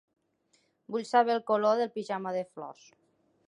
Vull saber el color del pijama de flors.